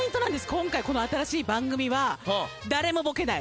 今回この新しい番組は。誰もボケない。